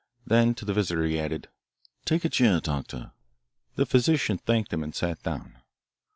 Then to the visitor he added, "Take a chair, Doctor." The physician thanked him and sat down.